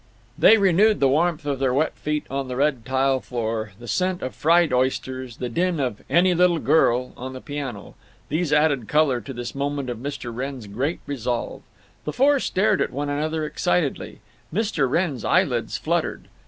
The renewed warmth of their wet feet on the red tile floor, the scent of fried oysters, the din of "Any Little Girl" on the piano, these added color to this moment of Mr. Wrenn's great resolve. The four stared at one another excitedly. Mr. Wrenn's eyelids fluttered.